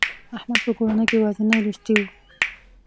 احمد په کورنۍ کې یوازینی لوستي و.